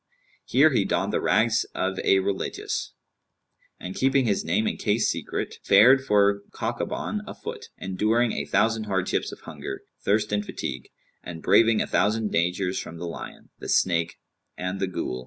Here he donned the rags of a religious; and, keeping his name and case secret, fared for Kaukaban afoot; enduring a thousand hardships of hunger, thirst and fatigue; and braving a thousand dangers from the lion, the snake and the Ghul.